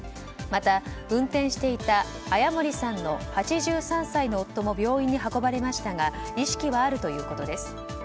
また、運転していた綾森さんの８３歳の夫も病院に運ばれましたが意識はあるということです。